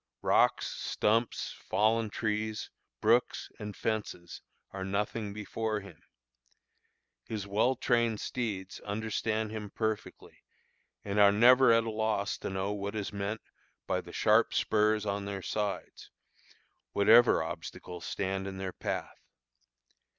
Rocks, stumps, fallen trees, brooks, and fences are nothing before him. His well trained steeds understand him perfectly, and are never at a loss to know what is meant by the sharp spurs on their sides, whatever obstacles stand in their path.